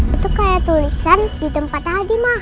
itu kayak tulisan di tempat tadi ma